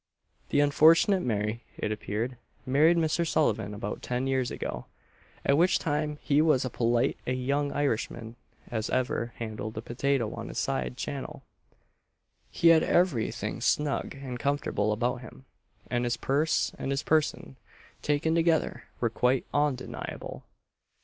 The unfortunate Mary, it appeared, married Mr. Sullivan about seven years ago; at which time he was as polite a young Irishman as ever handled a potato on this side Channel; he had every thing snug and comfortable about him, and his purse and his person taken together were quite ondeniable.